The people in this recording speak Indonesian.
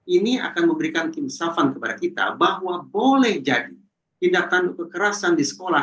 ini akan memberikan kimsafan kepada kita bahwa boleh jadi tindakan kekerasan di sekolah